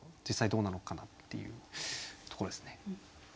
実際どうなのかなっていうところですね。